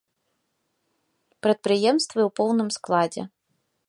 Прадпрыемствы ў поўным складзе.